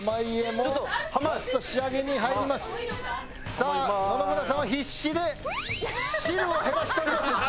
さあ野々村さんは必死で汁を減らしております！